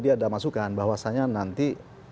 dia ada masukan bahwasannya nanti